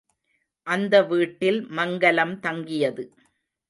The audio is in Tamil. அந்த வீட்டில் மங்கலம் தங்கியது.